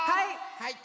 はい！